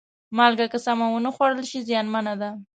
مالګه که سمه ونه خوړل شي، زیانمنه ده.